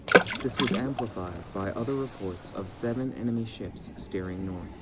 This was amplified by other reports of seven enemy ships steering north.